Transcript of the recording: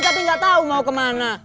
tapi gatau mau kemana